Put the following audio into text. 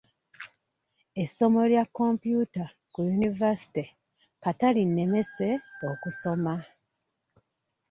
Essomo lya komputa ku yunivasite kata linnemese okusoma.